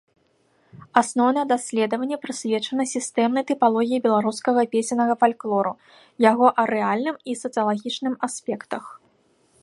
Асноўныя даследаванні прысвечаны сістэмнай тыпалогіі беларускага песеннага фальклору, яго арэальным і сацыялагічным аспектах.